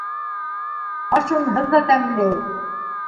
Аш унһыҙ ҙа тәмле!